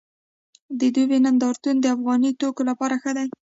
د دوبۍ نندارتون د افغاني توکو لپاره ښه دی